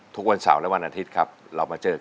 ทุกวันเสาร์และวันอาทิตย์ครับเรามาเจอกัน